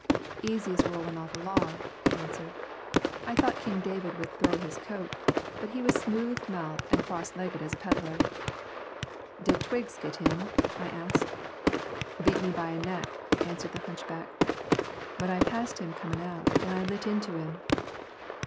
"Easy as rollin' off a log," he answered. "I thought King David would throw his coat, but he was smooth mouthed an' cross legged as a peddler." "Did Twiggs get in?" I asked. "Beat me by a neck," answered the hunchback. "But I passed him comin' out an' I lit in to him."